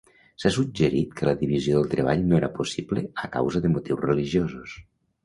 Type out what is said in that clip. S'ha suggerit que la divisió del treball no era possible a causa de motius religiosos.